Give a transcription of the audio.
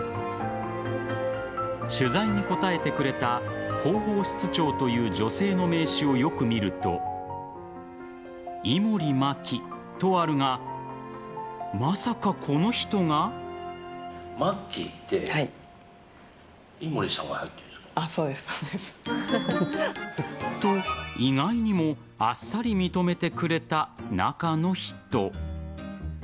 取材に答えてくれた広報室長という女性の名刺をよく見ると井守真紀とあるがまさか、この人が。と、意外にもあっさり認めてくれた中の人。